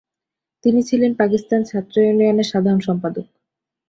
তিনি ছিলেন পাকিস্তান ছাত্র ইউনিয়নের সাধারণ সম্পাদক।